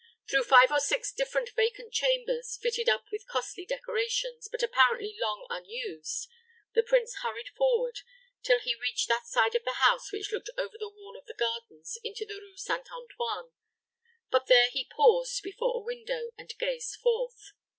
Through five or six different vacant chambers, fitted up with costly decorations, but apparently long unused, the prince hurried forward till he reached that side of the house which looked over the wall of the gardens into the Rue Saint Antoine, but there he paused before a window, and gazed forth.